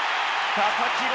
佐々木朗